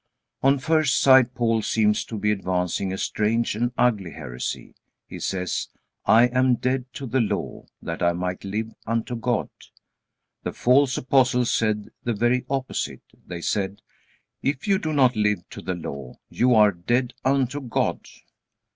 On first sight Paul seems to be advancing a strange and ugly heresy. He says, "I am dead to the law, that I might live unto God." The false apostles said the very opposite. They said, "If you do not live to the law, you are dead unto God."